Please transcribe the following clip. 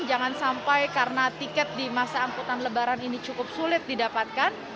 jangan sampai karena tiket di masa angkutan lebaran ini cukup sulit didapatkan